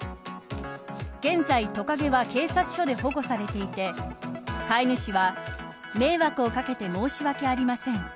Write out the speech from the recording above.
現在、トカゲは警察署で保護されていて飼い主は迷惑をかけて申し訳ありません。